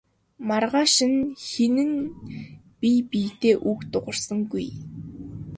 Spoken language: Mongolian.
Маргааш нь хэн нь бие биедээ үг дуугарсангүй.